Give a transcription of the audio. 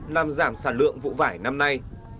làm giảm sản lượng vụ vải năm nay